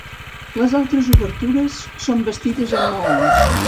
Les altres obertures són bastides amb maons.